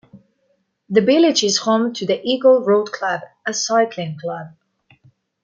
The village is home to the Eagle Road Club, a cycling club.